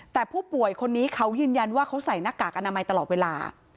แต่ผู้ป่วยคนนี้เขายืนยันว่าเขาใส่หน้ากากอนามัยตลอดเวลา